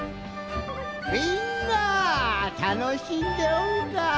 みんなたのしんでおるか。